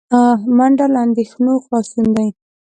منډه له اندېښنو خلاصون دی